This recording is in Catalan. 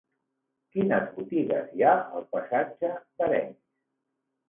Quines botigues hi ha al passatge d'Arenys?